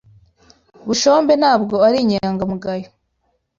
Bushombe ntabwo arinyangamugayo.